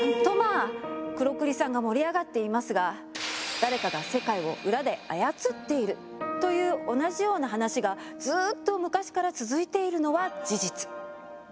とまあ黒クリさんが盛り上がっていますが「誰かが世界を裏で操っている」という同じような話がずっと昔から続いているのは事実。